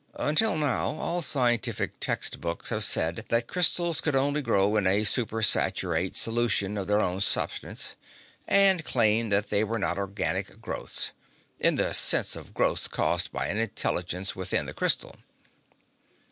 Until now all scientific text books have said that crystals could only grow in a supersaturate solution of their own substance, and claimed that they were not organic growths in the sense of growths caused by an intelligence within the crystal.